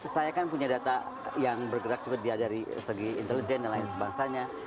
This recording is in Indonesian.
saya kan punya data yang bergerak juga dari segi intelijen dan lain sebangsanya